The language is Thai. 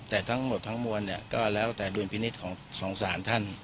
แต่ทั้งหมดทั้งมวลเนี่ยก็แล้วแต่ดุลพินิษฐ์ของสงสารท่าน